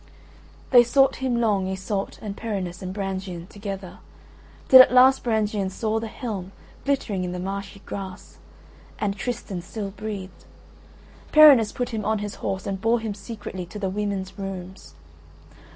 They sought him long, Iseult and Perinis and Brangien together, till at last Brangien saw the helm glittering in the marshy grass: and Tristan still breathed. Perinis put him on his horse and bore him secretly to the women's rooms.